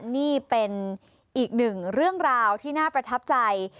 นี่เป็นอีกหนึ่งเรื่องราวที่น่าประทับใจ